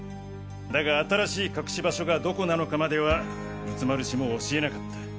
だが新しい隠し場所がどこなのかまでは仏丸氏も教えなかった。